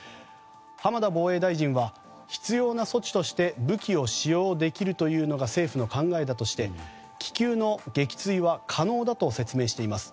浜田防衛大臣は必要な措置として武器を使用できるというのが政府の考えだとして気球の撃墜は可能だと説明しています。